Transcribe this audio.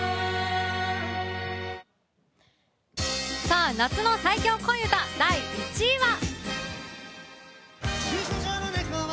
さあ、夏の最強恋うた第１位は。